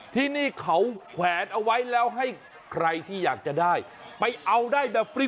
ที่นี่เขาแขวนเอาไว้แล้วให้ใครที่อยากจะได้ไปเอาได้แบบฟรี